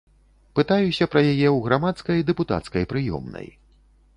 Пытаюся пра яе ў грамадскай дэпутацкай прыёмнай.